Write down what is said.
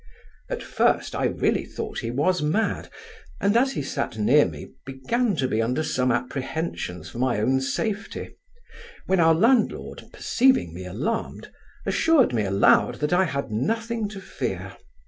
At first I really thought he was mad, and, as he sat near me, began to be under some apprehensions for my own safety, when our landlord, perceiving me alarmed, assured me aloud that I had nothing to fear.